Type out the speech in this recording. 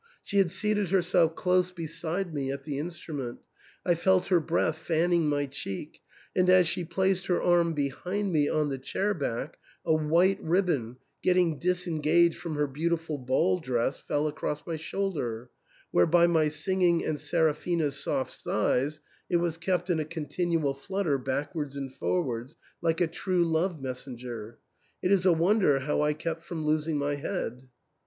She had seated herself close beside me at the instrument ; I felt her breath fanning my cheek ; and as she placed her arm behind me on the chair back, a white ribbon, getting disengaged from her beautiful ball dress, fell across my shoulder, where by my singing and Seraphina's soft sighs it was kept in a continual flutter backwards and forwards, like a true love messenger. It is a wonder how I kept from losing my head.